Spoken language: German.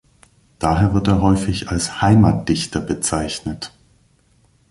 Daher wird er häufig als "Heimatdichter" bezeichnet.